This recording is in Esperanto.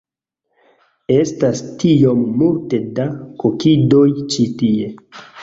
Estas tiom multe da kokidoj ĉi tie